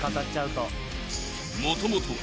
［もともとは］